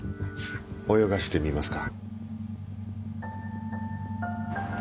泳がせてみますか？